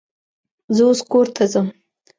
زه اوس کور ته ځم